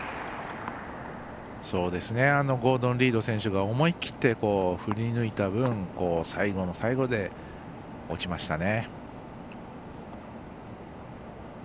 ゴードン・リード選手が思い切って振りぬいた分、最後の最後で落ちましたね。